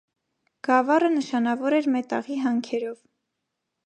Գավառը նշանավոր էր մետաղի հանքերով։